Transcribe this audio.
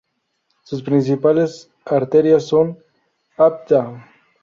Sus principales arterias son: Avda.